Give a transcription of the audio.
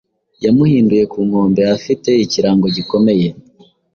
Yamuhinduye ku nkombeafite ikirango gikomeye